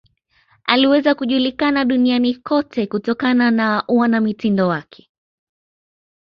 aliweza kujulikana duniani kote kutokana na uanamitindo wake